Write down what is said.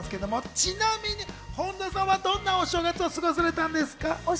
ちなみに本田さんはどんなお正月を過ごされたんですか？